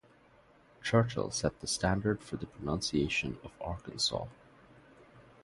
Churchill set the standard for the pronunciation of Arkansas.